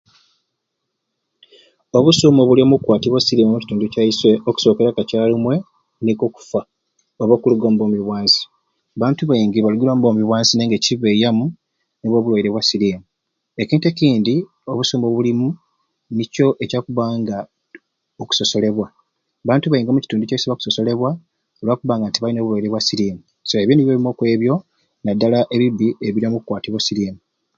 Obusuume obulimu omukukwatibwa o siriimu omukitundu kyaiswe okusookera kakyalumwe nikwo okufa oba okuluga omubwoomi bwa nsi. Bantu baingi baligire omu bwoomi bwansi naye nga ekibaiawo, nibwo obulwaire bwa siriimu. Ekintu ekindi obusuume obulimu nikyo kyakubba nga okusosolebwa. Bantu baingi omukitundu kyaiswe bakusosolebwa lwakuba nga nti balina obulwaire bwa siriimu. So Ebyo nibyo nibyo ebimwe okwebyo nadala ebibbi ebiri omukukwatibwa obulwaire bwa siriimu.